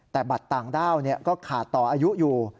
แต่บัตรต่างด้าวก็ขาดต่ออายุอยู่